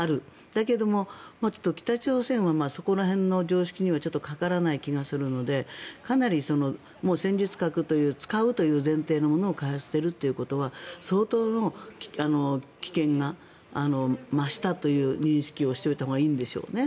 だけど、北朝鮮はそこら辺の常識にはかからない気がするのでかなり戦術核という使うという前提のものを開発しているということは相当の危険が増したという認識をしておいたほうがいいんでしょうね。